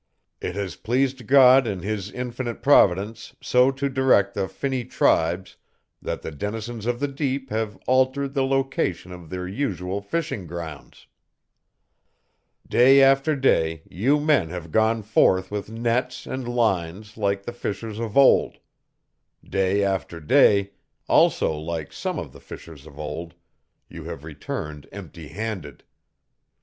It has pleased God in His infinite Providence so to direct the finny tribes that the denizens of the deep have altered the location of their usual fishing grounds. "Day after day you men have gone forth with nets and lines like the fishers of old; day after day, also like some of the fishers of old, you have returned empty handed.